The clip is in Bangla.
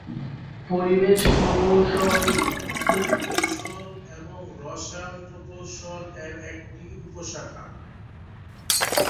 পরিবেশ প্রকৌশল, পুরকৌশল এবং রসায়ন প্রকৌশল এর একটি উপ-শাখা।